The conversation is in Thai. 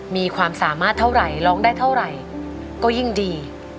มีความสามารถเท่าไหร่ร้องได้เท่าไหร่ก็ยิ่งดี